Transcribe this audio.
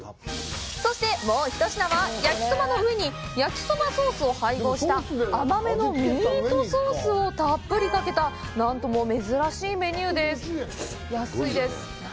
そして、もう１品は、焼きそばの上に焼きそばソースを配合した甘めのミートソースをたっぷりかけた、なんとも珍しいメニューです！